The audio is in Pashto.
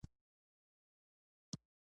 هغه له بغلان څخه پنجهیر ته ځي.